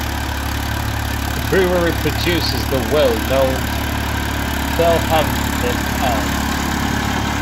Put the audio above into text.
The brewery produces the well known Belhaven Best ale.